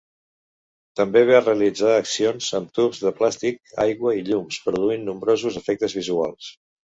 També va realitzar accions amb tubs de plàstic, aigua i llums, produint nombrosos efectes visuals.